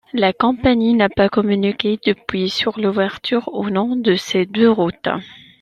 La compagnie n'a pas communiqué depuis sur l'ouverture ou non de ces deux routes.